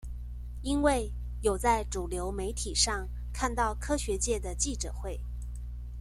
因為有在主流媒體上看到科學界的記者會